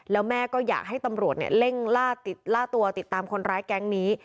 แล้วแม่ก็อยากให้ตำรวจเร่งล่าตัวติดตามคนร้ายแก๊งนี้